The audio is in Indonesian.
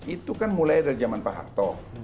itu kan mulai dari zaman pak harto